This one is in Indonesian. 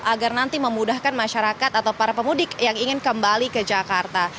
agar nanti memudahkan masyarakat atau para pemudik yang ingin kembali ke jakarta